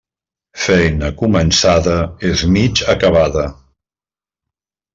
Feina començada, és mig acabada.